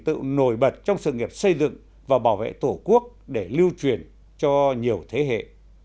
tựu nổi bật trong sự nghiệp xây dựng và bảo vệ tổ quốc để lưu truyền cho nhiều người